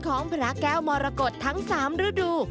ของพระแก้วมรกฏทั้ง๓ฤดู